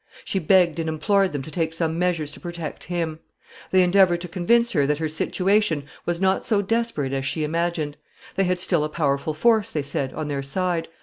She begged and implored them to take some measures to protect him. They endeavored to convince her that her situation was not so desperate as she imagined. They had still a powerful force, they said, on their side.